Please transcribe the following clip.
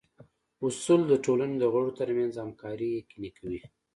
اصول د ټولنې د غړو ترمنځ همکاري یقیني کوي.